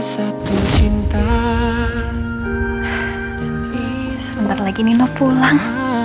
sementara lagi nino pulang